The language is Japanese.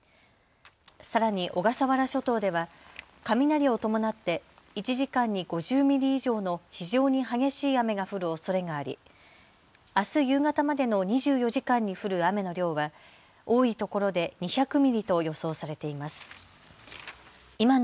さらに小笠原諸島では雷を伴って１時間に５０ミリ以上の非常に激しい雨が降るおそれがありあす夕方までの２４時間に降る雨の量は多いところで２００ミリと予想されています。